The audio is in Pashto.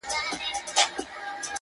کورونا چي پر دنیا خپل وزر خپور کړ؛